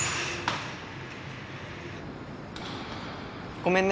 ごめんね。